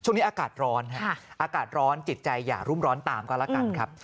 ช่วงนี้อากาศร้อนครับอากาศร้อนจิตใจอย่ารุ่มร้อนตามก็แล้วกันครับ